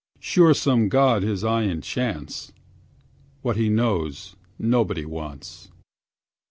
Sure some god his eye enchants: What he knows nobody wants.